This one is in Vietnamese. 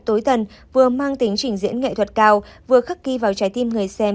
tối thần vừa mang tính trình diễn nghệ thuật cao vừa khắc ghi vào trái tim người xem